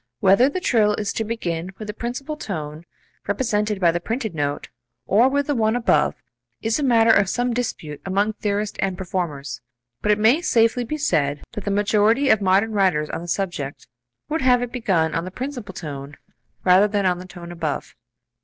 Whether the trill is to begin with the principal tone (represented by the printed note) or with the one above is a matter of some dispute among theorists and performers, but it may safely be said that the majority of modern writers on the subject would have it begin on the principal tone rather than on the tone above.